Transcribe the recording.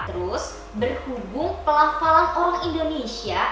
terus berhubung pelan pelan orang indonesia